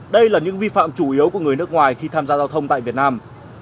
đây là những vi phạm chủ yếu của người nước ngoài khi tham gia giao thông tại việt nam